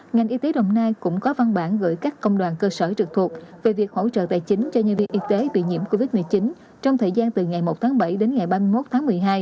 ngành y tế đồng nai cũng có văn bản gửi các công đoàn cơ sở trực thuộc về việc hỗ trợ tài chính cho nhân viên y tế bị nhiễm covid một mươi chín trong thời gian từ ngày một tháng bảy đến ngày ba mươi một tháng một mươi hai